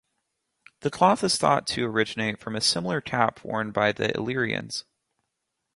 The cloth is thought to originate from a similar cap worn by the Illyrians.